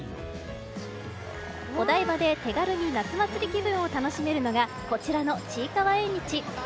お台場で手軽に夏祭り気分を楽しめるのがこちらの、ちいかわ縁日。